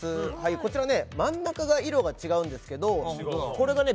こちらね真ん中が色が違うんですけどこれがね